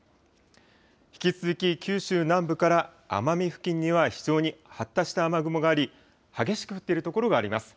引き続き九州南部から奄美付近には非常に発達した雨雲があり、激しく降ってる所があります。